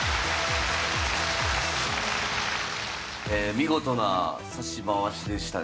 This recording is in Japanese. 見事な指し回しでしたね。